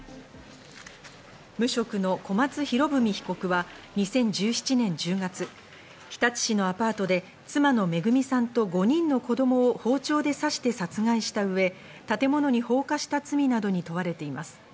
無職の小松博文被告は２０１７年１０月、日立市のアパートで妻の恵さんと５人の子供を包丁で刺して殺害したうえ、建物に放火した罪などに問われています。